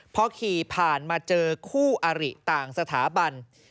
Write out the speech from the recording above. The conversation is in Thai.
พอขี่ผ่านมาเจอคู่อาริต่างสถาบัน